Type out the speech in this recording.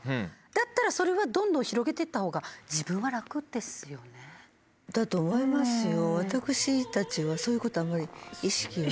だったらそれはどんどん広げてった方が。だと思いますよ。